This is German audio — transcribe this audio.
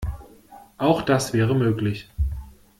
Auch das wäre möglich.